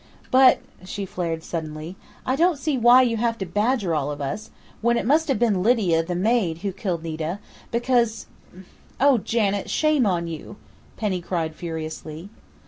But," she flared suddenly, "I don't see why you have to badger all of us, when it must have been Lydia, the maid, who killed Nita, because " "Oh, Janet! Shame on you!" Penny cried furiously.